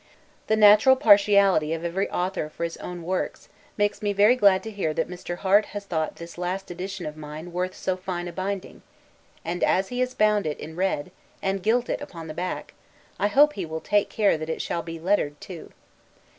The natural partiality of every author for his own works makes me very glad to hear that Mr. Harte has thought this last edition of mine worth so fine a binding; and, as he has bound it in red, and gilt it upon the back, I hope he will take care that it shall be LETTERED too.